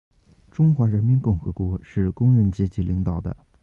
中华人民共和国是工人阶级领导的